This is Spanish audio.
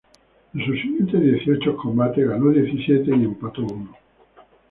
De sus siguientes dieciocho combates, ganó diecisiete y empató uno.